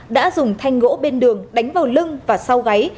đã dùng thanh gỗ bên đường đánh vào lưng và sau gáy